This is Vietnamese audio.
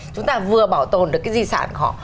chúng ta vừa bảo tồn được cái di sản của họ